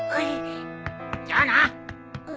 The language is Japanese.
じゃあな！